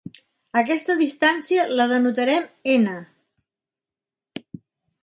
Aquesta distància la denotarem "n".